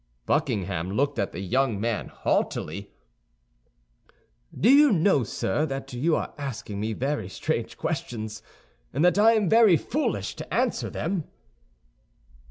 Buckingham looked at the young man haughtily. "Do you know, sir, that you are asking me very strange questions, and that I am very foolish to answer them?"